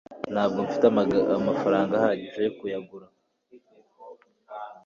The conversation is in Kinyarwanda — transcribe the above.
ntabwo mfite amafaranga ahagije yo kuyagura